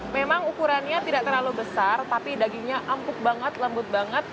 memang ukurannya tidak terlalu besar tapi dagingnya empuk banget lembut banget